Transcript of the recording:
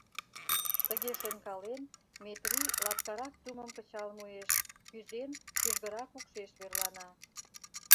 Тыге шонкален, Метрий лапкарак тумым кычал муэш, кӱзен, кӱжгырак укшеш верлана.